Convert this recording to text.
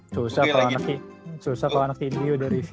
susah kalo anak anak ini udah review